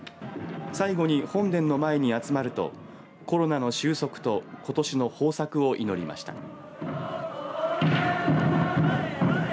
最後に本殿の前に集まるとコロナの終息とことしの豊作を祈りました。